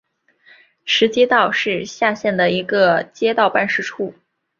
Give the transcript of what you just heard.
石街道是下辖的一个街道办事处。